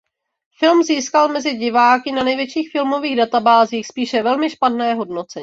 Film získal mezi diváky na největších filmových databázích spíše velmi špatné hodnocení.